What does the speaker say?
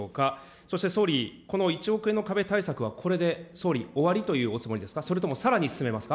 そして総理、この１億円の壁対策はこれで総理、終わりと言うおつもりですか、それともさらに進めますか。